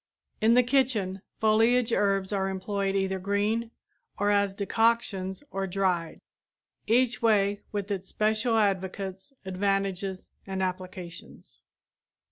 In the kitchen, foliage herbs are employed either green or as decoctions or dried, each way with its special advocates, advantages and applications.